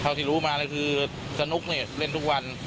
ที่รู้มาก็คือสนุกเนี่ยเล่นทุกวัน